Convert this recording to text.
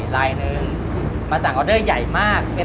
ได้ชีวิตการณ์อยู่เดียวยาวเลย